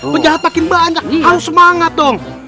penjahat makin banyak harus semangat dong